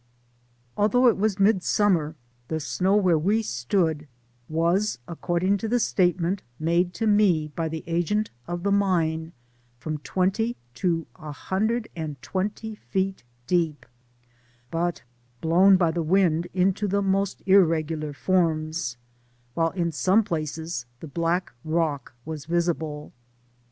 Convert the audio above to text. Although it was midsummer, the snow where we stood was, according to the statement made to me by the agent of the mine, from twenty to a hundred and twenty feet deep, but blown by the wind into the most irregular forms, while in some places the black rock was visible.